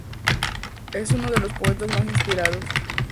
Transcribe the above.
Es uno de los poetas más inspirados.